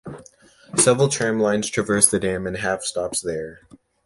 Several tram lines traverse the Dam and have stops there.